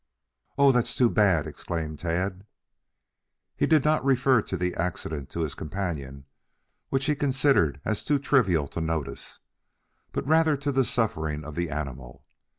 "Oh, that's too bad!" exclaimed Tad. He did not refer to the accident to his companion, which he considered as too trivial to notice, but rather to the sufferings of the animal.